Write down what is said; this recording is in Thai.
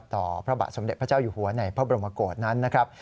พระบาทสมเด็จพระเจ้าอยู่หัวในพระบรมโกศนั้นนะครับ